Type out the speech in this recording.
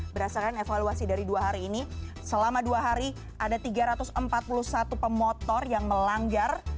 berdasarkan evaluasi dari dua hari ini selama dua hari ada tiga ratus empat puluh satu pemotor yang melanggar